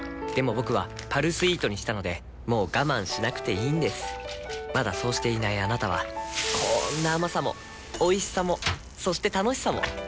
僕は「パルスイート」にしたのでもう我慢しなくていいんですまだそうしていないあなたはこんな甘さもおいしさもそして楽しさもあちっ。